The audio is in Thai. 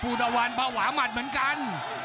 ภูตวรรณสิทธิ์บุญมีน้ำเงิน